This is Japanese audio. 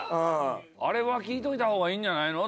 あれは聞いといた方がいいんじゃないの？